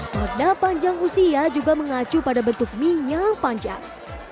perda panjang usia juga mengacu pada bentuk mie yang panjang